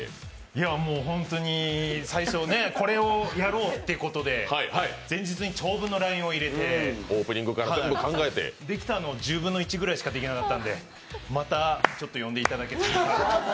本当に最初、これをやろうってことで前日に長文のＬＩＮＥを入れてできたのは１０分の１くらいしかできなかったので、またちょっと、呼んでいただけたらと思って。